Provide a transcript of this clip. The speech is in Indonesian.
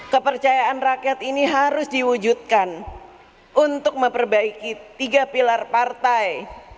kepercayaan rakyat ini harus diwujudkan untuk memperbaiki tiga pilar partai